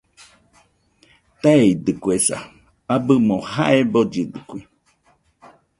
Teeidɨkuesa, abɨmo jae bollidɨkue